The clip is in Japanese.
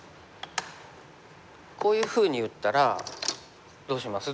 こういうふうに打ったらどうします？